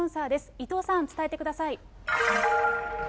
伊藤さん、伝えてください。